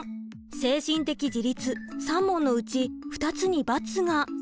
精神的自立３問のうち２つに×が。